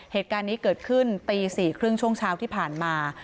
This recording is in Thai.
เหตุการณ์นี้เกิดขึ้นตี๔๓๐ช่วงเช้าที่ผ่านมา